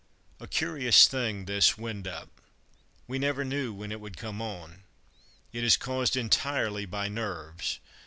A curious thing, this "wind up." We never knew when it would come on. It is caused entirely by nerves.